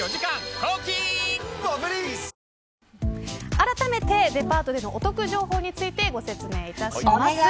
あらためて、デパートでのお得情報についてご説明します。